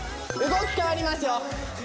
動き変わりますよ